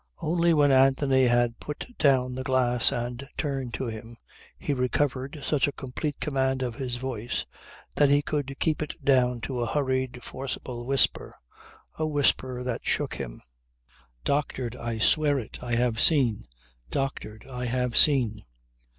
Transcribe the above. Only when Anthony had put down the glass and turned to him he recovered such a complete command of his voice that he could keep it down to a hurried, forcible whisper a whisper that shook him. "Doctored! I swear it! I have seen. Doctored! I have seen."